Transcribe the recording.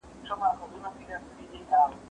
زه خبري کړې دي؟